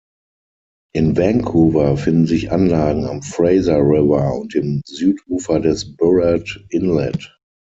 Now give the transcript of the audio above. In Vancouver finden sich Anlagen am Fraser River und dem Südufer des Burrard Inlet.